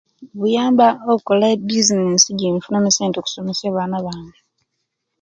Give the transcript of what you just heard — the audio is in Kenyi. Buyamba okola ebizinesi ejenfunamu esente okusomesya abaana bange